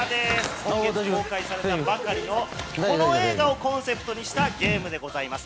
今月公開されたばかりのこの映画をコンセプトにしたゲームでございます。